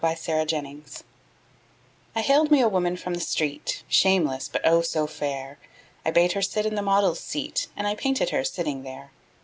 My Madonna I haled me a woman from the street, Shameless, but, oh, so fair! I bade her sit in the model's seat And I painted her sitting there.